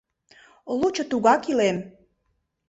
Лучо тугак илем...